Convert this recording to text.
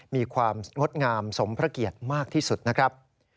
มีความงดงามสมพระเกียรติมากที่สุดนะครับ